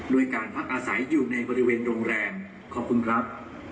โดยการพักอาศัยอยู่ในบริเวณโรงแรมขอบคุณครับ